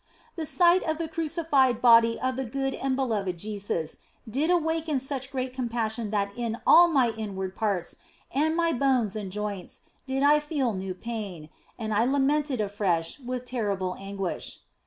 The sight of the crucified body of the good and be loved Jesus did awaken such great compassion that in all my inward parts and my bones and joints did I feel new pain, and I lamented afresh with terrible anguish.